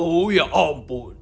oh ya ampun